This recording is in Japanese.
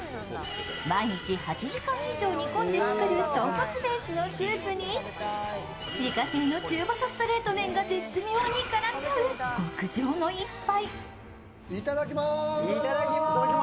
毎日８時間以上煮込んで作る豚骨ベースのスープに自家製の中細ストレート麺が絶妙に絡まる極上の一杯。